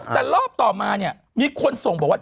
แต่รอบต่อมาเนี่ยมีคนส่งบอกว่า